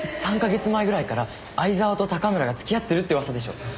３か月前ぐらいから藍沢と高村が付き合ってるって噂でしょ？